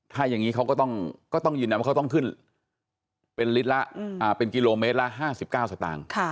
ถ้าอย่างงี้เขาก็ต้องยืนแหน่งว่าเขาต้องขึ้นเป็นกิโลเมตรละ๕๙สตางค์